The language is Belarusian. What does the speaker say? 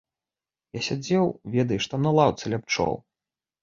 Я сядзеў, ведаеш, там на лаўцы ля пчол.